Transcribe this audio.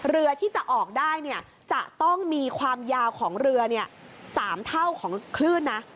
เรือที่จะออกได้เนี่ยจะต้องมีความยาวของเรือ๓เท่าของคลื่นนะ